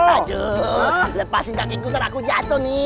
aduh lepasin kakiku ntar aku jatuh nih